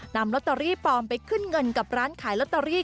นำลอตเตอรี่ปลอมไปขึ้นเงินกับร้านขายลอตเตอรี่